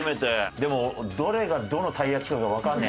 でもどれがどのたい焼きかがわかんねえ。